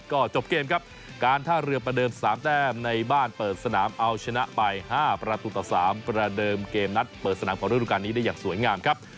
ก็จบเกมครับการท่าเรือประเดิม๓แต้มในบ้านเปิดสนามเอาชนะไป๕ประตูต่อ๓ประเดิมเกมนัดเปิดสนามของฤดูการนี้ได้อย่างสวยงามครับ